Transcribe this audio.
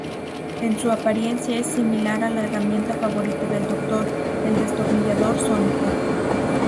En su apariencia es similar a la herramienta favorita del Doctor, el destornillador sónico.